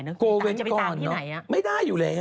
โกวิตก่อนนะมันจะไปต่างที่ไหน